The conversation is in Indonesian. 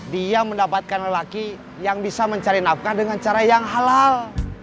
dia mendapatkan lelaki yang bisa mencari nafkah dengan cara yang halal